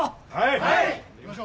はい！